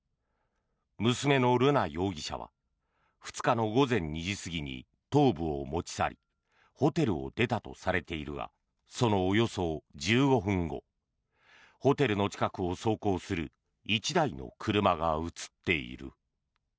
娘の瑠奈容疑者は２日の午前２時過ぎに頭部を持ち去りホテルを出たとされているがそのおよそ１５分後ホテルの近くを走行する１台の車が映っている。